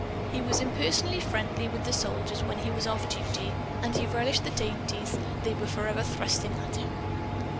He was impersonally friendly with the soldiers, when he was off duty; and he relished the dainties they were forever thrusting at him.